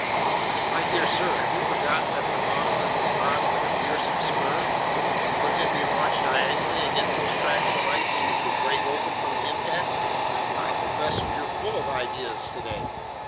"My dear sir, have you forgotten that the Nautilus is armed with a fearsome spur? Couldn't it be launched diagonally against those tracts of ice, which would break open from the impact?" "Ah, professor, you're full of ideas today!"